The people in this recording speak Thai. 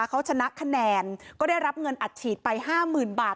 เขาชนะคะแนนก็ได้รับเงินอัดฉีดไป๕๐๐๐บาท